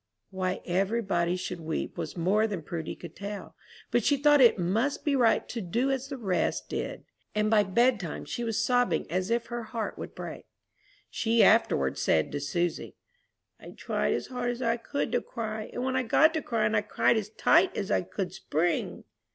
Why every body should weep was more than Prudy could tell; but she thought it must be right to do as the rest did, and by bedtime she was sobbing as if her heart would break. She afterwards said to Susy, "I tried as hard as I could to cry, and when I got to crying I cried as tight as I could spring!"